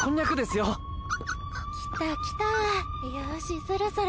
よしそろそろ。